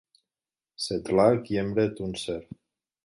Sedlak, i Emre Tuncer.